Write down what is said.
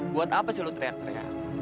buat apa sih lu teriak teriak